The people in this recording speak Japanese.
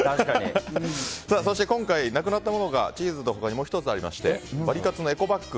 そして今回なくなったものがチーズの他にもう１つありましてワリカツのエコバッグ。